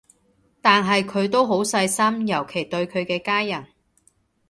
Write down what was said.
但係佢都好細心，尤其對佢嘅家人